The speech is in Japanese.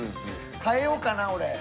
変えようかな俺。